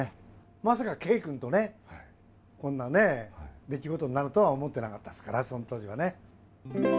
まさか圭君とね、こんなね、出来事になるとは思ってなかったですから、そのときはね。